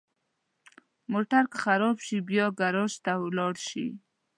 موټر که خراب شي، باید ګراج ته ولاړ شي.